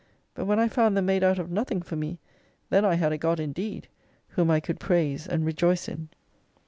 But when I found them made out of nothing for me, then I had a God indeed, whom I could praise, and rejoice in.